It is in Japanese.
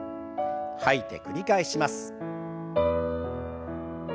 吐いて繰り返します。